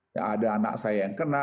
ya ada anak saya yang kena